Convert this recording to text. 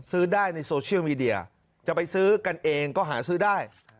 ซื้อได้ในโซเชียลมีเดียจะไปซื้อกันเองก็หาซื้อได้